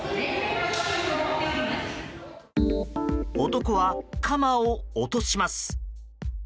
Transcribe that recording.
男は鎌を落とします。